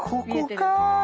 ここかあ！